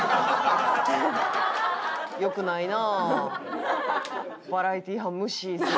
良くないな。